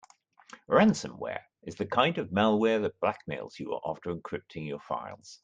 Ransomware is the kind of malware that blackmails you after encrypting your files.